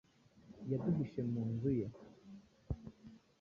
Yaduhishe mu nzu ye.